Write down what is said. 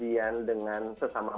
gimana menjalani dek